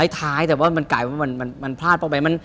ท้ายแต่ว่ามันกลายว่ามันพลาดเข้าไป